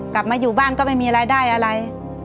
กลับมาอยู่บ้านก็ไม่มีรายได้อะไร